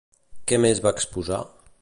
Què més va exposar?